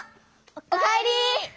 おかえり。